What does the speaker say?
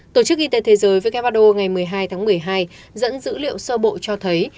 tổ chức y tế thế giới who ngày một mươi hai tháng một mươi hai dẫn dữ liệu sơ bộ cho thấy